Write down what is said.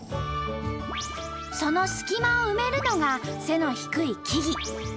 その隙間を埋めるのが背の低い木々。